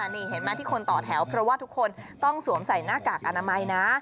นี่เห็นไหมที่คนต่อแถวเพราะว่าทุกคนต้องสวมใส่หน้ากากอนามัยนะ